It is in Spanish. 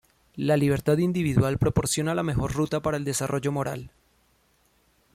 La libertad individual proporciona la mejor ruta para el desarrollo moral.